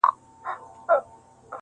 هغه د شعرونو دوولس مجموعې چاپ کړې -